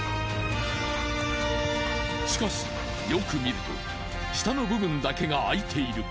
しかしよく見ると下の部分だけが空いている。